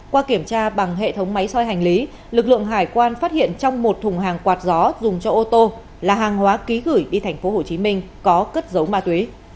qua kiểm tra bằng hệ thống máy soi hành lý lực lượng hải quan phát hiện trong một thùng hàng quạt gió dùng cho ô tô là hàng hóa ký gửi đi tp hcm có cất dấu ma túy